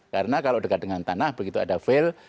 karena kalau dekat dengan tanah begitu ada fail